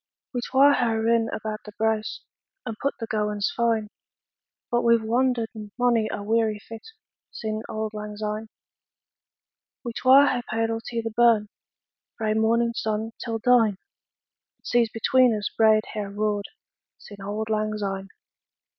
We twa hae rin about the braes, 5 And pu'd the gowans fine; But we've wander'd monie a weary fit Sin' auld lang syne. We twa hae paidl't i' the burn, Frae mornin' sun till dine; 10 But seas between us braid hae roar'd Sin' auld lang syne.